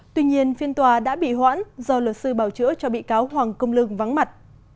tuy nhiên phiên tòa đã bị hoãn do luật sư bảo chữa cho bị cáo hoàng công lương vắng mặt